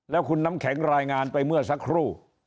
แล้วคุณน้ำแข็งรายงานไปเมื่อสักครู่